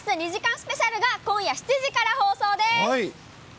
スペシャルが、今夜７時から放送です。